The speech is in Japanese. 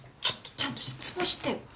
ちゃんと質問してよ。